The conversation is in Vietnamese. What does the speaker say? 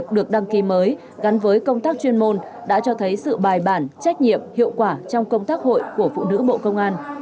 được đăng ký mới gắn với công tác chuyên môn đã cho thấy sự bài bản trách nhiệm hiệu quả trong công tác hội của phụ nữ bộ công an